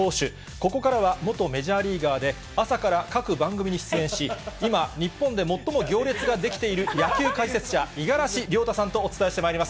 ここからは元メジャーリーガーで、朝から各番組に出演し、今、日本で最も行列が出来ている野球解説者、五十嵐亮太さんとお伝えしてまいります。